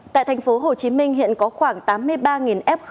tại thành phố hồ chí minh hiện có khoảng tám mươi ba f